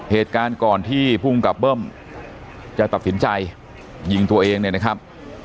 เหตุการณ์ก่อนที่ภูมิกับเบิ้มจะตัดสินใจยิงตัวเองเนี่ยนะครับ